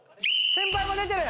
先輩も出てる！